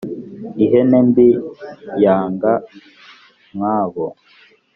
Ihene mbi yanga mwabo.